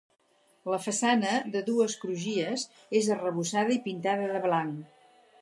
La façana, de dues crugies, és arrebossada i pintada de blanc.